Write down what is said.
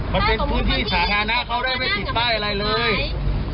มันเป็นพื้นที่สาธารณะเขาได้ไม่ติดป้ายอะไรเลย